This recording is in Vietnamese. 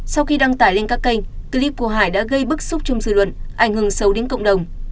sau khi đăng tải lên các kênh clip của hải đã gây bức xúc trong dư luận ảnh hưởng sâu đến cộng đồng